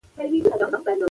خو د حل لارې یې هم شته.